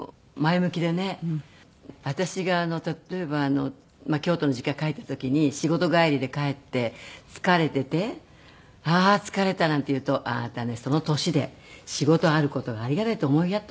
私が例えば京都の実家に帰った時に仕事帰りで帰って疲れてて「ああー疲れた」なんて言うと「あなたねその年で仕事ある事がありがたいと思いや」と。